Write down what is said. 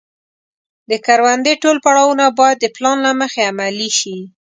د کروندې ټول پړاوونه باید د پلان له مخې عملي شي.